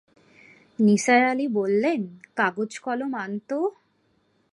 নিসার আলি বললেন, কাগজ-কলম আন তো।